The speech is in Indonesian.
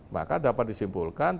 maka dapat disimpulkan